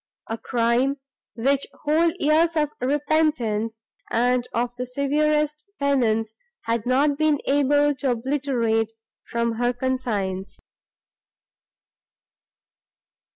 —a crime, which whole years of repentance and of the severest penance had not been able to obliterate from her conscience.